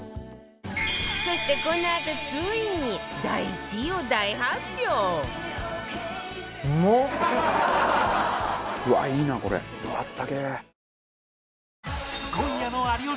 そしてこのあとついに第１位を大発表形変わった。